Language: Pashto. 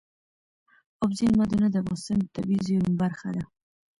اوبزین معدنونه د افغانستان د طبیعي زیرمو برخه ده.